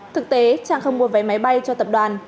thực tế trang không mua vé máy bay cho tập đoàn